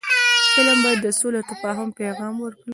فلم باید د سولې او تفاهم پیغام ورکړي